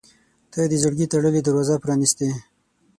• ته د زړګي تړلې دروازه پرانستې.